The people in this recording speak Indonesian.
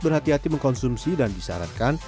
berhati hati mengkonsumsi dan disarankan